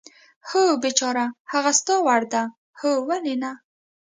هو، بېچاره، هغه ستا وړ ده؟ هو، ولې نه.